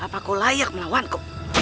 apakah kau layak melawanku